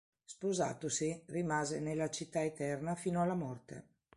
Sposatosi, rimase nella città eterna fino alla morte.